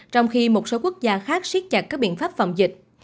trong khi một số quốc gia khác siết chặt các biện pháp phòng dịch